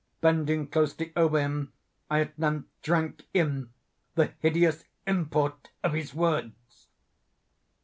Bending closely over him, I at length drank in the hideous import of his words.